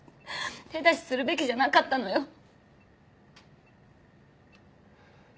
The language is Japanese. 手出しするべきじゃなかったのよ。